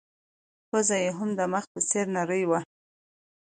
پزه يې هم د مخ په څېر نرۍ وه.